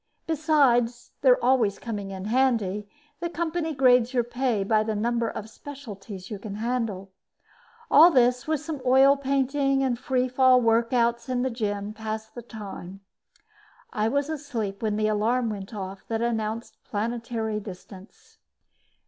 Besides their always coming in handy, the company grades your pay by the number of specialties you can handle. All this, with some oil painting and free fall workouts in the gym, passed the time. I was asleep when the alarm went off that announced planetary distance.